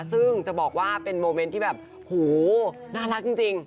ซึ่งจะบอกว่าเป็นโมเมนต์ที่แบบโหน่ารักจริง